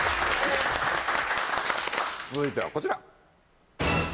続いてはこちら。